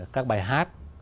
các bài hát